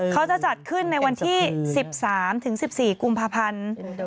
เขาจะจัดขึ้นในวันที่๑๓๑๔กุมภาพันธ์